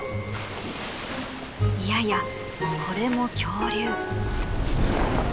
いやいやこれも恐竜。